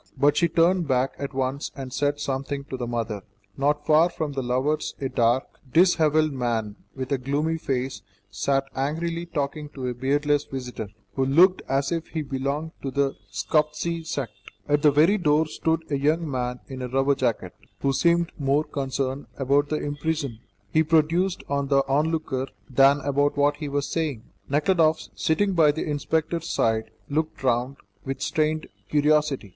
But she turned back at once and said something to the mother. Not far from the lovers a dark, dishevelled man, with a gloomy face, sat angrily talking to a beardless visitor, who looked as if he belonged to the Scoptsy sect. At the very door stood a young man in a rubber jacket, who seemed more concerned about the impression he produced on the onlooker than about what he was saying. Nekhludoff, sitting by the inspector's side, looked round with strained curiosity.